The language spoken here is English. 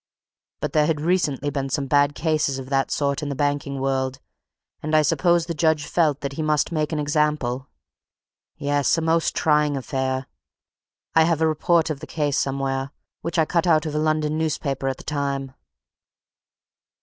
But there had recently been some bad cases of that sort in the banking world, and I suppose the judge felt that he must make an example. Yes a most trying affair! I have a report of the case somewhere, which I cut out of a London newspaper at the time."